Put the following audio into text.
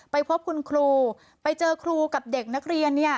ไปพบคุณครูไปเจอครูกับเด็กนักเรียนเนี่ย